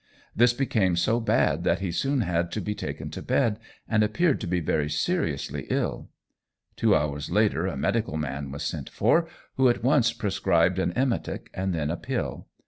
This became so bad that he soon had to be taken to bed, and appeared to be very seriously ill. Two hours later a medical man was sent for, who at once prescribed an emetic, and then a pill.